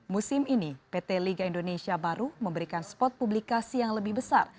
musim ini pt liga indonesia baru memberikan spot publikasi yang lebih besar